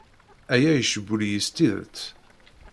Aya icewwel-iyi s tidet.